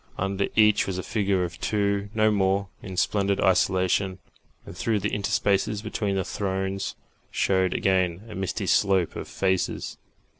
Under each was a figure or two no more in splendid isolation, and through the interspaces between the thrones showed again a misty slope of faces.